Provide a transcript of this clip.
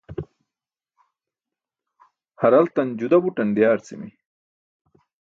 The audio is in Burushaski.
haraltan juda buṭan diyaarcimi